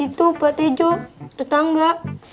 itu pak tejo tetangga